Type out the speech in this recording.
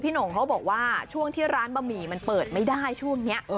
หน่งเขาบอกว่าช่วงที่ร้านบะหมี่มันเปิดไม่ได้ช่วงนี้